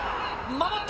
守った。